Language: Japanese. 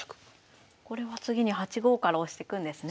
これは次に８五から押してくんですね。